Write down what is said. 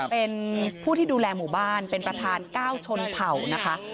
เป็นผู้ที่ดูแลหมู่บ้านเป็นประธาน๙ชนเผ่านะคะ